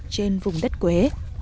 trên vùng đất quế